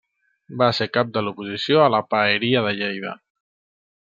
Va ser cap de l'oposició a la Paeria de Lleida.